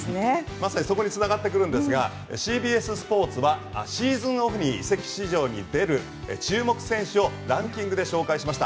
まさにそこに繋がってくるんですがＣＢＳスポーツはシーズンオフに移籍市場に出る注目選手をランキングで紹介しました。